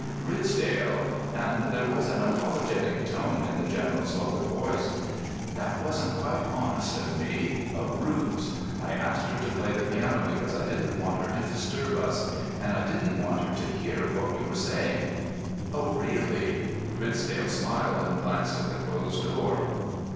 "Ridsdale"—and there was an apologetic tone in the General's lowered voice—"that wasn't quite honest of me. A ruse! I asked her to play the piano because I didn't want her to disturb us—and I didn't want her to hear what we were saying." "Oh, really?" Ridsdale smiled, and glanced at the closed door.